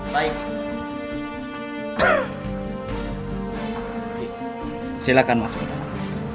ki silahkan masuk ke dalam